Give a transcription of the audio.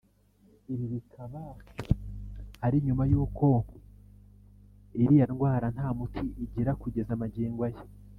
Ibi bikaba ari nyuma y’uko iriya ndwara nta muti igira kugeza magingo aya